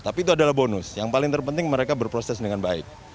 tapi itu adalah bonus yang paling terpenting mereka berproses dengan baik